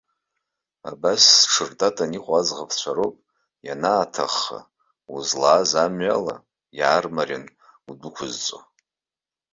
Абас зҽыртатаны иҟоу аӡӷабцәа роуп, ианааҭахха, узлааз амҩала иаармарианы удәықәызҵо.